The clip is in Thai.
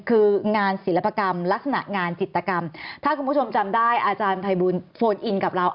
คืองานศิลปกรรมลักษณะงานจิตกรรมถ้าคุณผู้ชมจำได้อาจารย์ภัยบูลโฟนอินกับเรา